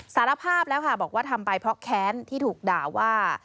สารภาพแล้วค่ะบอกว่าทำไปเพราะแค้นที่ถูกด่าว่า